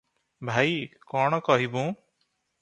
ଭାଇ, କଣ କହିବୁଁ!